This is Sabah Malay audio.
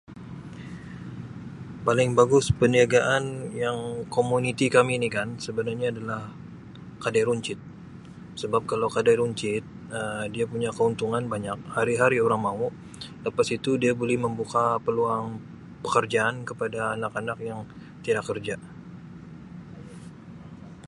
Paling bagus perniagaan yang komuniti kami ni kan sebenarnya adalah kedai runcit sebab kalau kedai runcit Um dia punya keuntungan banyak hari-hari orang mau lepas itu dia boleh membuka peluang pekerjaan kepada anak-anak yang tiada kerja.